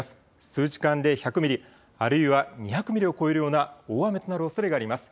数時間で１００ミリ、あるいは２００ミリを超えるような大雨となるおそれがあります。